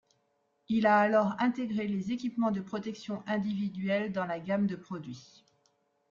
Il a alors intégré les équipements de protection individuelle dans la gamme de produits.